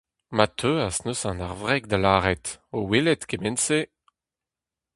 Ma teuas neuze ar wreg da lâret, o welet kement-se :